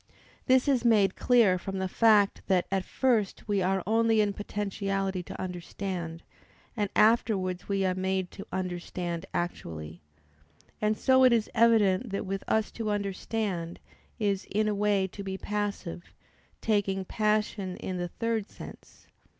This is made clear from the fact, that at first we are only in potentiality to understand, and afterwards we are made to understand actually. And so it is evident that with us to understand is "in a way to be passive"; taking passion in the third sense.